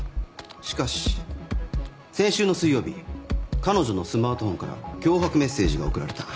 しかし先週の水曜日彼女のスマートフォンから脅迫メッセージが送られた。